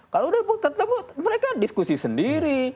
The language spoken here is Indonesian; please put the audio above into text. kalau udah tertemu mereka diskusi sendiri